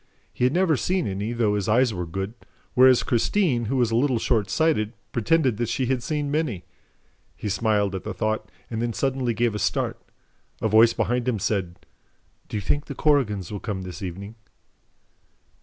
He had never seen any, though his eyes were good, whereas Christine, who was a little shortsighted, pretended that she had seen many. He smiled at the thought and then suddenly gave a start. A voice behind him said: "Do you think the Korrigans will come this evening?"